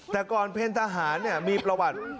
แต่ก่อนเป็นทหารมีประวัติ